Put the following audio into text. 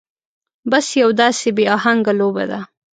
بس يو داسې بې اهنګه لوبه ده.